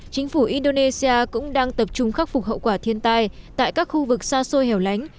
chính phủ indonesia cũng đang tập trung khắc phục hậu quả thiên tai tại các khu vực xa xôi hẻo lánh